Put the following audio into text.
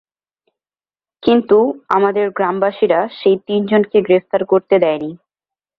কিন্তু আমাদের গ্রামবাসীরা সেই তিনজনকে গ্রেফতার করতে দেয়নি।